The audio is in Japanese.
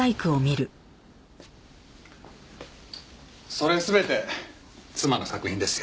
それ全て妻の作品ですよ。